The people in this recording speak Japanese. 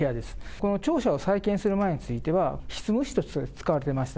この庁舎を再建する前は執務室として使われてました。